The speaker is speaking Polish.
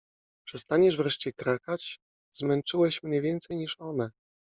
- Przestaniesz wreszcie krakać? Zmęczyłeś mnie więcej niż one!